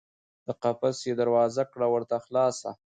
د قفس یې دروازه کړه ورته خلاصه